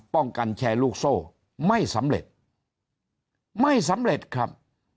ป้องกันแชร์ลูกโซ่ไม่สำเร็จไม่สำเร็จครับ